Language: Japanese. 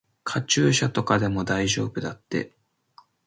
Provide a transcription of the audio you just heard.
カチューシャとかでも大丈夫だって。